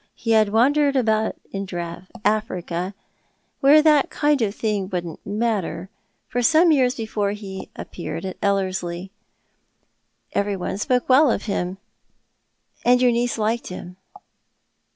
He had wandered about in Africa — where that kind of thing wouldn't matter— for some years before lie appeared at Ellerslie. Every one spoke well of him "" And your niece liked him